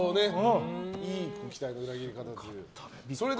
いい期待の裏切り方だと。